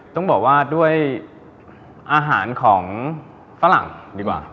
ต้องบอกว่าด้วยอาหารของฝรั่งดีกว่า